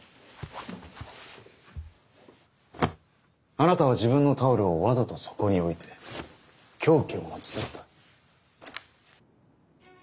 あなたは自分のタオルをわざとそこに置いて凶器を持ち去った。